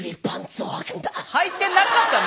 はいてなかったの？